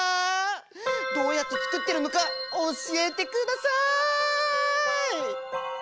どうやって作ってるのか教えてください！